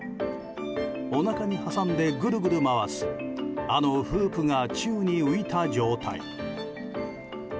おなかに挟んでぐるぐる回すあのフープが宙に浮いた状態。